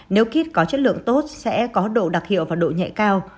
nếu kit có chất lượng tốt sẽ có độ đặc hiệu và độ nhẹ cao